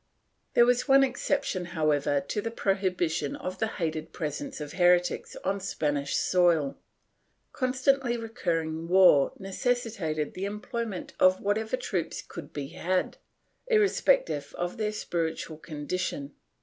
There was one exception, however, to the prohibition of the hated presence of heretics on Spanish soil. Constantly recurring war necessitated the employment of whatever troops could be had, irrespective of their spiritual condition.